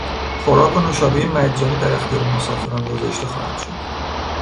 خوراک و نوشابهی مجانی در اختیار مسافران گذاشته خواهد شد.